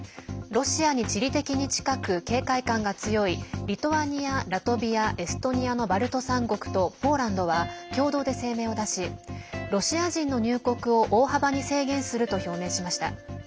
ロシアに地理的に近く警戒感が強いリトアニア、ラトビアエストニアのバルト３国とポーランドは共同で声明を出しロシア人の入国を大幅に制限すると表明しました。